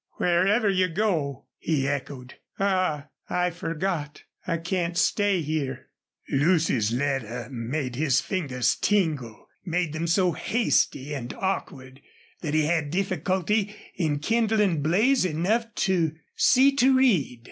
"Wherever you go!" he echoed. "Ah! I forgot! I can't stay here." Lucy's letter made his fingers tingle made them so hasty and awkward that he had difficulty in kindling blaze enough to see to read.